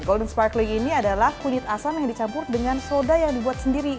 golden sparkling ini adalah kunyit asam yang dicampur dengan soda yang dibuat sendiri